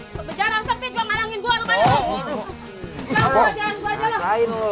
sebeneran sepi juga malangin gua lu mana lo